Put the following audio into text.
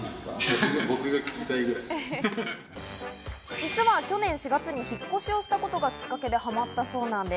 実は去年４月に引っ越しをしたことがきっかけでハマったそうなんです。